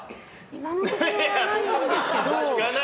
今のところはないんですけど。